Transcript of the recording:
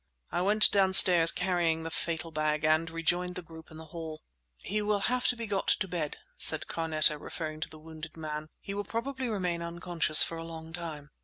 I went downstairs carrying the fatal bag, and rejoined the group in the hall. "He will have to be got to bed," said Carneta, referring to the wounded man; "he will probably remain unconscious for a long time."